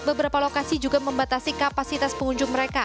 beberapa lokasi juga membatasi kapasitas pengunjung mereka